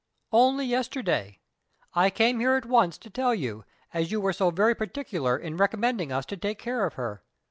"Only yesterday. I came here at once to tell you, as you were so very particular in recommending us to take care of her.